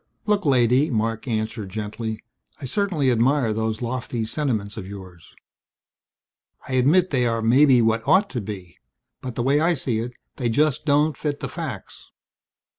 "Look, lady," Marc answered gently, "I certainly admire those lofty sentiments of yours. I admit they are maybe what ought to be. But the way I see it they just don't fit the facts.